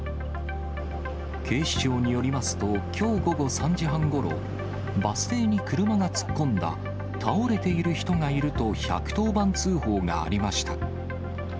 警視庁によりますと、きょう午後３時半ごろ、バス停に車が突っ込んだ、倒れている人がいると１１０番通報がありました。